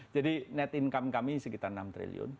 jadi net income kami sekitar enam triliun